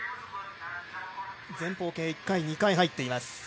前方、計１回、２回入っています。